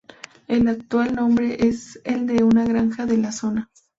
El actual nombre es el de una granja de la zona.